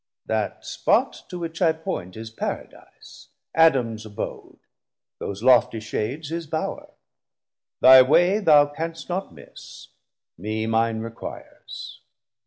That spot to which I point is Paradise, Adams abode, those loftie shades his Bowre. Thy way thou canst not miss, me mine requires.